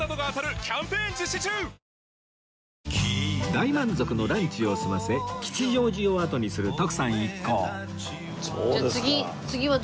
大満足のランチを済ませ吉祥寺を後にする徳さん一行じゃあ。